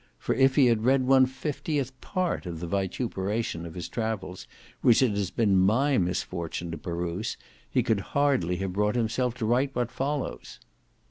For if he had read one fiftieth part of the vituperation of his Travels, which it has been my misfortune to peruse, he could hardly have brought himself to write what follows.